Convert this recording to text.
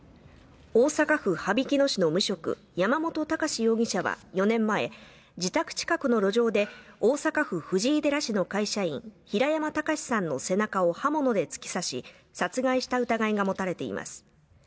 大阪府羽曳野市の無職山本孝容疑者は４年前自宅近くの路上で大阪府藤井寺市の会社員平山喬司さんの背中を刃物で突き刺し殺害した疑いが持たれています